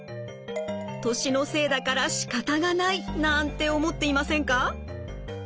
年のせいだからしかたがないなんて思っていませんか？